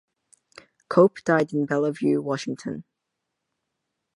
Cope died in Bellevue, Washington.